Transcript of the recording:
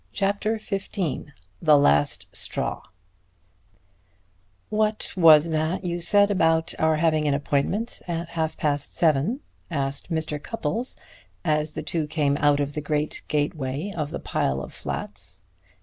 CHAPTER XV THE LAST STRAW "What was that you said about our having an appointment at half past seven?" asked Mr. Cupples as the two came out of the great gateway of the pile of flats.